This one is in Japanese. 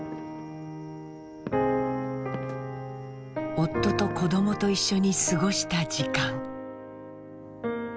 夫と子どもと一緒に過ごした時間。